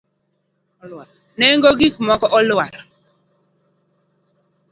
Nengo gik moko olwar